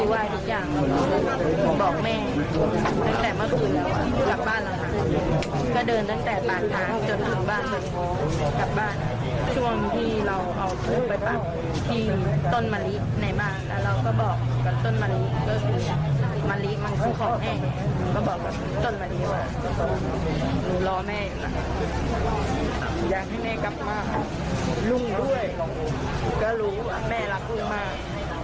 พ่อบอกตอนนี้ว่ารอแม่อยู่นะครับอยากให้แม่กลับมาครับลุงด้วยก็รู้ว่าแม่รักลูกมาก